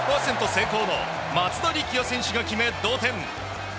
成功の松田力也選手が決め、同点。